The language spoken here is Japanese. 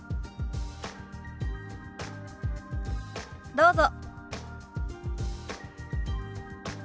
どうぞ。